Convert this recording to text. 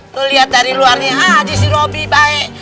tuh liat dari luarnya aja si robi baik